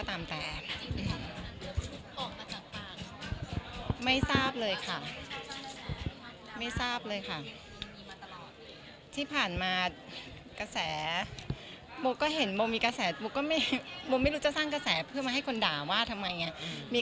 ที่ผ่านมาแกศแโบมให้ด่าว่าทำไมอย่างเงี้ย